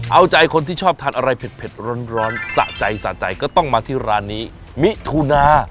เอาใจคนที่ชอบทานอะไรเผ็ดร้อนสะใจสะใจก็ต้องมาที่ร้านนี้มิถุนา